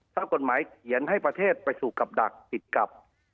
ถ้ากฎหมายเขียนให้ประเทศไปสู่กับดักติดกับ